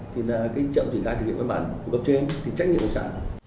thì là cái chậm triển khai thực hiện văn bản của cấp trên thì trách nhiệm của xã